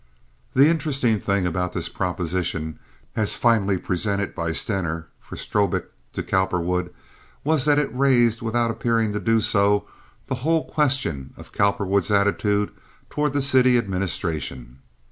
The interesting thing about this proposition as finally presented by Stener for Strobik to Cowperwood, was that it raised, without appearing to do so, the whole question of Cowperwood's attitude toward the city administration.